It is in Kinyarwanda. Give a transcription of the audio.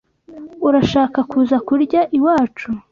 Urashaka kuza kurya iwacu?